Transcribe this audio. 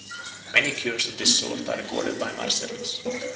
Many cures of this sort are recorded by Marcellus.